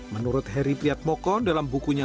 menurut heri priat moko dalam bukunya